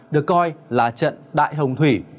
được coi là trận đại hồng thủy